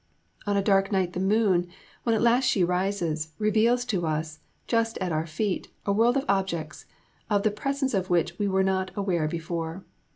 On a dark night the moon, when at last she rises, reveals to us, just at our feet, a world of objects, of the presence of which we were not aware before.